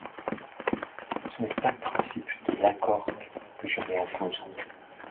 Ce n’est pas le principe de l’accord que je mets en cause.